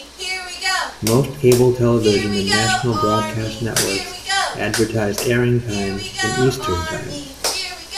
Most cable television and national broadcast networks advertise airing times in Eastern time.